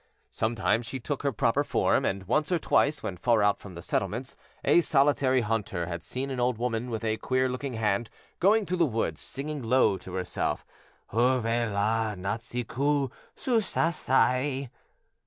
Sometimes she took her proper form, and once or twice, when far out from the settlements, a solitary hunter had seen an old woman, with a queer looking hand, going through the woods singing low to herself: Uwe'la nátsikû'. Su' sa' sai'.